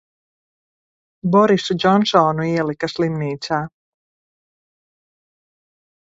Borisu Džonsonu ielika slimnīcā.